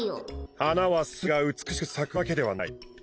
花はすべてが美しく咲くわけではない。